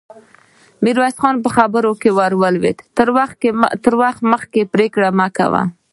ميرويس خان په خبره کې ور ولوېد: تر وخت مخکې پرېکړه مه کوه!